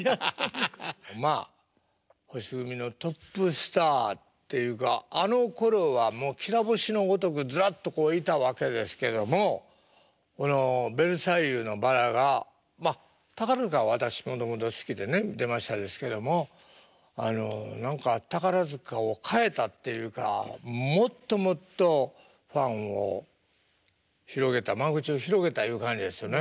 まあ星組のトップスターっていうかあのころはもうきら星のごとくずらっといたわけですけどもこの「ベルサイユのばら」がまあ宝塚は私本当本当好きでね出ましたですけどもあの何か宝塚を変えたっていうかもっともっとファンを広げた間口を広げたいう感じですよね。